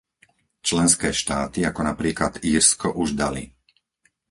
Členské štáty ako napríklad Írsko už dali...